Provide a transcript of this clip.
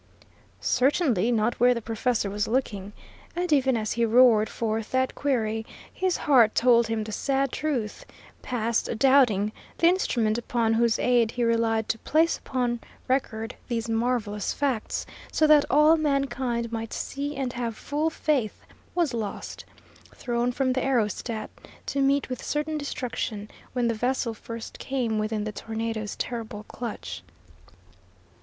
Certainly not where the professor was looking, and even as he roared forth that query, his heart told him the sad truth; past doubting, the instrument upon whose aid he relied to place upon record these marvellous facts, so that all mankind might see and have full faith, was lost, thrown from the aerostat, to meet with certain destruction, when the vessel first came within the tornado's terrible clutch.